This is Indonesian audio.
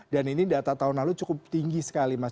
dan ini data tahun lalu cukup tinggi sekali mas